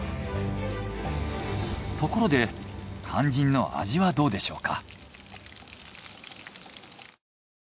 ところで肝心の味はどうでしょうか？